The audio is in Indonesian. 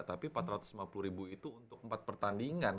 tapi empat ratus lima puluh ribu itu untuk empat pertandingan